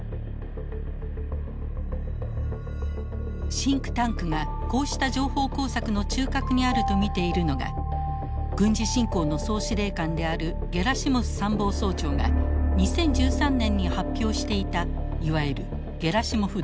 シンクタンクがこうした情報工作の中核にあると見ているのが軍事侵攻の総司令官であるゲラシモフ参謀総長が２０１３年に発表していたいわゆるゲラシモフ・ドクトリン。